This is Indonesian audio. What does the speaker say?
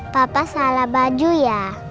papa salah baju ya